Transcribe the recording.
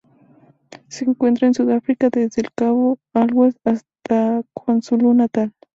Se encuentran en Sudáfrica: desde el Cabo Agulhas hasta KwaZulu-Natal.